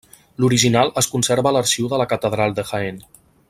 L'original es conserva a l'arxiu de la catedral de Jaén.